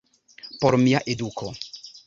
Por mia eduko.